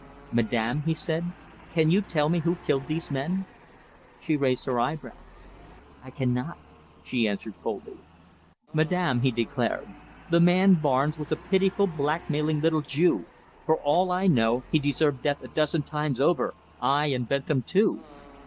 "Madame," he said, "can you tell me who killed these men?" She raised her eyebrows. "I cannot," she answered coldly. "Madame," he declared, "the man Barnes was a pitiful blackmailing little Jew! For all I know, he deserved death a dozen times over ay, and Bentham too!